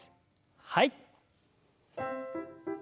はい。